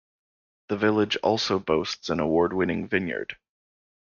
The village also boasts an award-winning vineyard.